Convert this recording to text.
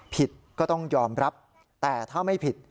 ผิดก็ต้องยอมรับแต่ถ้าไม่ผิด